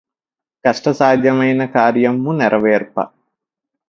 కష్టసాధ్యమైన కార్యమ్ము నెరవేర్ప